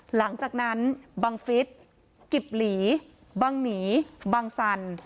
หลังจากนั้นบังฟิศกิบหลีบังหนีบังสัน